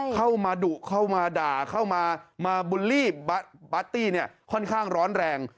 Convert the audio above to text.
เข้ามาดุเข้ามาด่าเข้ามามาบูลลี่ปาร์ตี้เนี่ยค่อนข้างร้อนแรง